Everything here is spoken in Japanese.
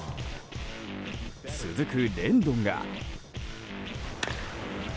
続くレンドンが。